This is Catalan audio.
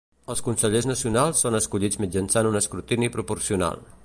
Els consellers nacionals són escollits mitjançant un escrutini proporcional.